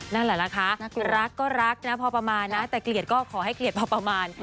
นั่นแหละนะคะรักก็รักนะพอประมาณนะแต่เกลียดก็ขอให้เกลียดพอประมาณ